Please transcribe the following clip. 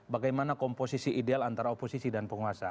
bagaimana komposisi ideal antara oposisi dan penguasa